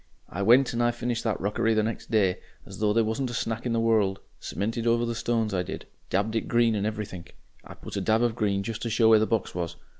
I went and I finished that rockery next day, as though there wasn't a Snack in the world; cemented over the stones, I did, dabbed it green and everythink. I put a dab of green just to show where the box was.